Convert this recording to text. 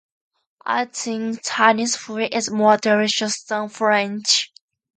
I think Chinese food is more delicious than French.